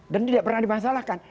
dan tidak pernah dimasalahkan